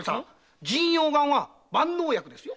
神陽丸は万能薬ですよ。